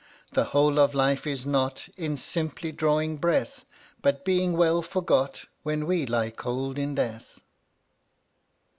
The whole of life is not In simply drawing breath, But being well forgot When we lie cold in death.